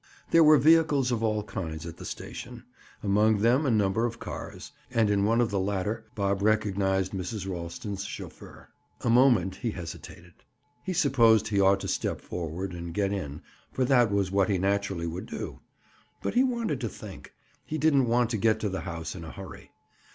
There were vehicles of all kinds at the station, among them a number of cars, and in one of the latter Bob recognized Mrs. Ralston's chauffeur. A moment he hesitated. He supposed he ought to step forward and get in, for that was what he naturally would do. But he wanted to think; he didn't want to get to the house in a hurry.